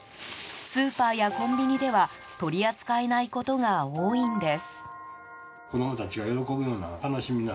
スーパーやコンビニでは取り扱えないことが多いんです。